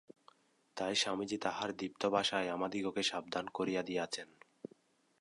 তাই স্বামীজী তাঁহার দৃপ্ত ভাষায় আমাদিগকে সাবধান করিয়া দিয়াছেন।